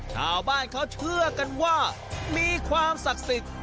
ชาวบ้านเขาเชื่อกันว่ามีความศักดิ์สิทธิ์